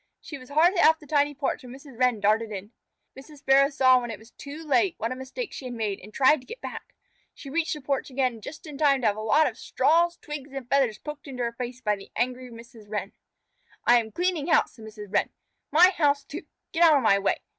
She was hardly off the tiny porch when Mrs. Wren darted in. Mrs. Sparrow saw when it was too late what a mistake she had made, and tried to get back. She reached the porch again just in time to have a lot of straws, twigs, and feathers poked into her face by the angry Mrs. Wren. "I am cleaning house," said Mrs. Wren. "My house, too! Get out of my way!"